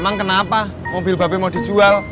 emang kenapa mobil bape mau dijual